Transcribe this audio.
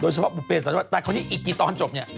โดยเฉพาะบุปเป้แต่ตอนนี้อีกกี่ตอนจบเนี่ย